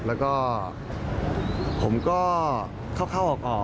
แล้วก็ผมก็เข้าออก